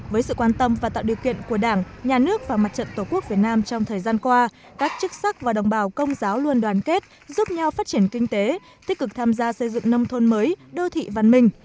với sự quan tâm và tạo điều kiện của đảng nhà nước và mặt trận tổ quốc việt nam trong thời gian qua các chức sắc và đồng bào công giáo luôn đoàn kết giúp nhau phát triển kinh tế tích cực tham gia xây dựng nông thôn mới đô thị văn minh